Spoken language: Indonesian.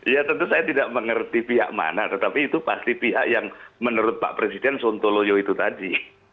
ya tentu saya tidak mengerti pihak mana tetapi itu pasti pihak yang menurut pak presiden sontoloyo itu tadi